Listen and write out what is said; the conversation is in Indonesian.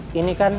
yang aku alami